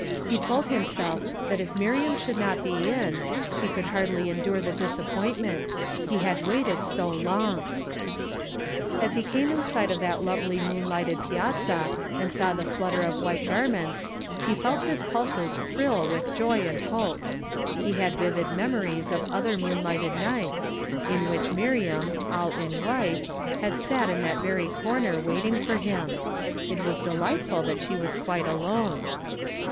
He told himself that if Miriam should not be in, he could hardly endure the disappoint ment ; he had waited so long ! As he came in sight of that lovely moonlighted piazza and saw the flutter of white garments, he felt his pulses thrill with joy and hope. He had vivid memories of other moonlighted nights, in which Miriam, all in white, had sat in that very corner waiting for him. It was delightful that she was quite alone.